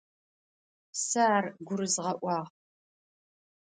Сэ ар гурызгъэӏуагъ.